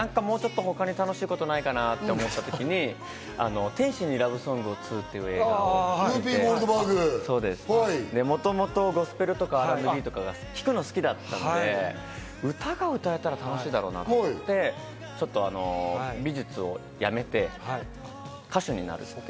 他にもっと楽しいことがないかなと思ったときに『天使にラブソングを２』という映画があって、もともとゴスペルとか聴くのが好きだったんで、歌が歌えたら楽しいだろうなと思って、ちょっと美術をやめて歌手になる。